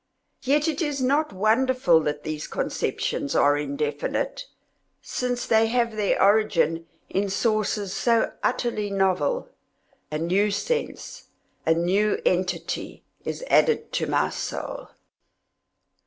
Yet it is not wonderful that these conceptions are indefinite, since they have their origin in sources so utterly novel. A new sense—a new entity is added to my soul.